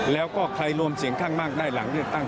แล้วก็ใครรวมเสียงข้างมากได้หลังเลือกตั้ง